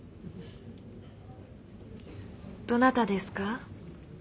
どなたですか？